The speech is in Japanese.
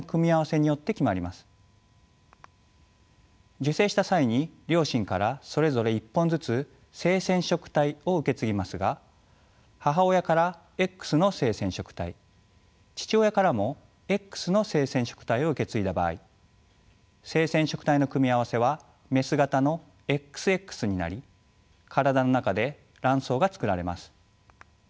受精した際に両親からそれぞれ１本ずつ性染色体を受け継ぎますが母親からＸの性染色体父親からもＸの性染色体を受け継いだ場合性染色体の組み合わせはメス型のＸＸになり体の中で卵巣が作られます。